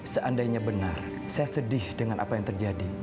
seandainya benar saya sedih dengan apa yang terjadi